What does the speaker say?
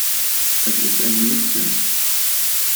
Es ist ein Mädchen.